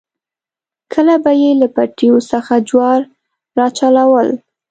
کله به یې له پټیو څخه جوار راچلول.